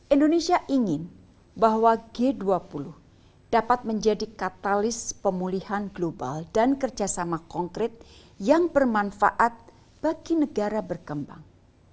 indonesia ingin bahwa g dua puluh dapat menjadi katalis pemulihan global dan kerjasama konkret yang bermanfaat bagi negara berkembang